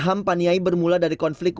ham paniai bermula dari konflik